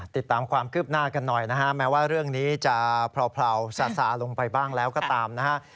ติดตามความคืบหน้ากันหน่อยนะฮะแม้ว่าเรื่องนี้จะเผลาซาลงไปบ้างแล้วก็ตามนะฮะ